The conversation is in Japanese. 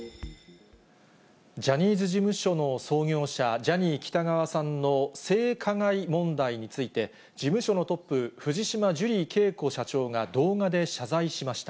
ジャニーズ事務所の創業者、ジャニー喜多川さんの性加害問題について、事務所のトップ、藤島ジュリー景子社長が動画で謝罪しました。